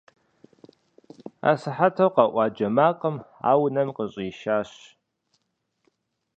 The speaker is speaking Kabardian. Асыхьэту къэӀуа джэ макъым ар унэм къыщӀишащ.